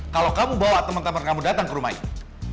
kalau kamu bawa temen temen kamu datang ke rumah ini